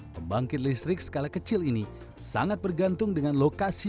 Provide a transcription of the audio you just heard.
pembangkit listrik skala kecil ini sangat bergantung dengan lokasi